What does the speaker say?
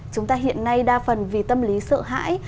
chúng ta hiện nay đa phần vì tâm lý sợ hãi